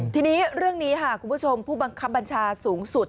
ทีนี้เรื่องนี้ค่ะคุณผู้ชมผู้บังคับบัญชาสูงสุด